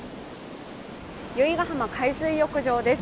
由比ガ浜海水浴場です。